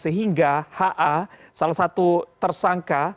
sehingga diakal akali sehingga ha salah satu tersangka